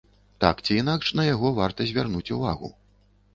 Так ці інакш, на яго варта звярнуць увагу.